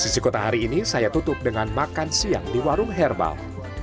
di sisi kota hari ini saya tutup dengan makan siang di warung herbal